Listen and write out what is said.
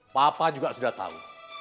papa juga sudah tau